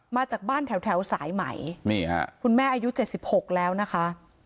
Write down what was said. มาจากบ้านแถวสายไหมคุณแม่อายุเอาหม่อนแล้วนะคะ